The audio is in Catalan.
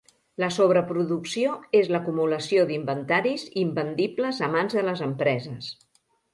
La sobreproducció és l'acumulació d'inventaris invendibles a mans de les empreses.